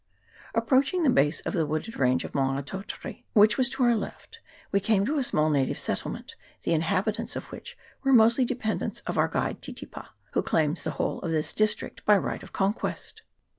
Approaching the base of the wooded range of Maunga Tautari, which was to our left, we came to a small native settle ment, the inhabitants of which were mostly de pendants of our guide Titipa, who claims the whole of this district by right of conquest.